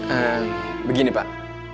ehm begini pak